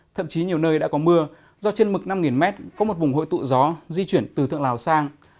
thậm chí nhiều nơi đã có mưa do trên mực năm m có một vùng hội tụ gió di chuyển từ thượng lào sang